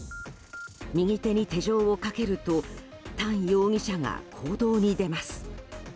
右手に手錠をかけるとタン容疑者が行動に出ます。